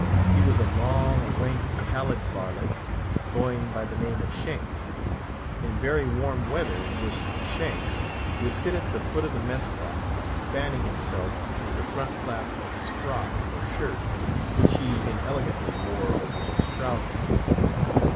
He was a long, lank, pallid varlet, going by the name of Shanks. In very warm weather this Shanks would sit at the foot of the mess cloth, fanning himself with the front flap of his frock or shirt, which he inelegantly wore over his trousers.